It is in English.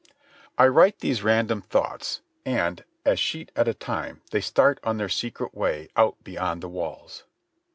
... I write these random thoughts, and, a sheet at a time, they start on their secret way out beyond the walls.